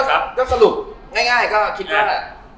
แต่ก็สรุปง่ายก็คิดว่าแหละ